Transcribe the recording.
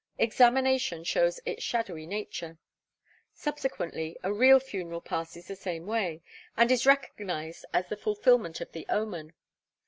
Examination shows its shadowy nature. Subsequently a real funeral passes the same way, and is recognised as the fulfilment of the omen.